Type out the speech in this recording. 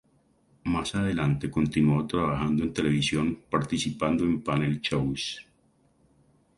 Más adelante continuó trabajando en televisión participando en panel shows.